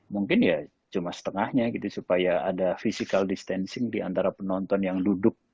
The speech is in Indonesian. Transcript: mungkin ya cuma setengahnya gitu supaya ada physical distancing diantara penonton yang duduk